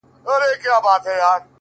زه چي کور ته ورسمه هغه نه وي”